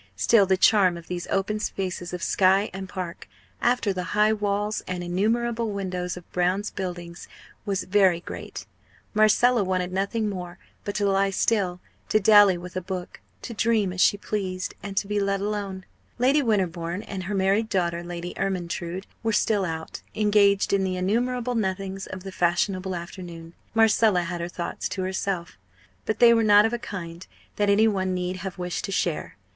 Still the charm of these open spaces of sky and park, after the high walls and innumerable windows of Brown's Buildings, was very great; Marcella wanted nothing more but to lie still, to dally with a book, to dream as she pleased, and to be let alone. Lady Winterbourne and her married daughter, Lady Ermyntrude, were still out, engaged in the innumerable nothings of the fashionable afternoon. Marcella had her thoughts to herself. But they were not of a kind that any one need have wished to share.